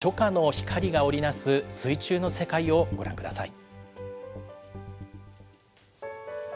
澄み切った水と初夏の光が織り成す水中の世界をご覧ください。